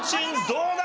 どうだ？